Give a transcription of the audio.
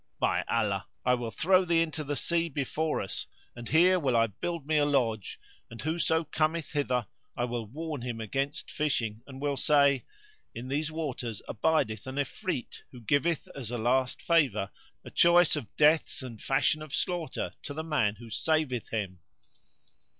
By Allah, I will throw thee into the sea[FN#76] before us and here will I build me a lodge; and whoso cometh hither I will warn him against fishing and will say:—In these waters abideth an Ifrit who giveth as a last favour a choice of deaths and fashion of slaughter to the man who saveth him!"